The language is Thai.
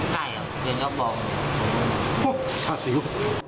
โหฆ่าสิว